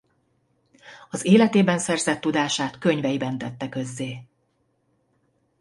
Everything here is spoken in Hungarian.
Az életében szerzett tudását könyveiben tette közzé.